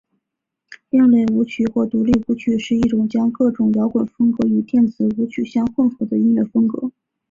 另类舞曲或独立舞曲是一种将各种摇滚风格与电子舞曲相混合的音乐风格。